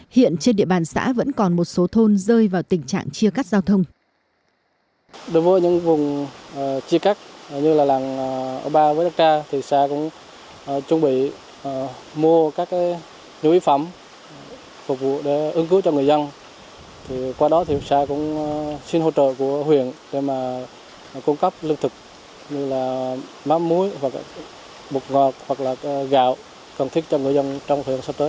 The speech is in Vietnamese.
hiện trên địa bàn xã vẫn còn một số thôn rơi vào tình trạng chia cắt giao thông